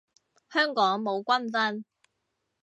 香港冇軍訓